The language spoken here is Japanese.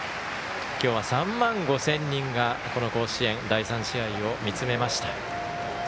今日は３万５０００人がこの甲子園第３試合を見つめました。